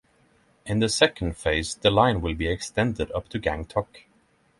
In the second phase the line will be extended up to Gangtok.